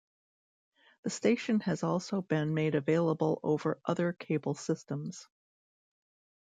The station has also been made available over other cable systems.